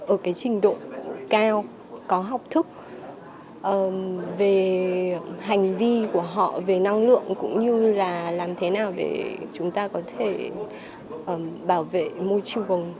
ở cái trình độ cao có học thức về hành vi của họ về năng lượng cũng như là làm thế nào để chúng ta có thể bảo vệ môi trường